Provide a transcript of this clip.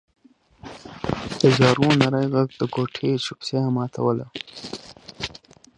د جارو نري غږ د کوټې چوپتیا ماتوله.